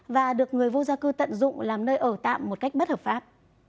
và được người vô gia cư tận dụng làm nơi ở tạm một cách bất hợp pháp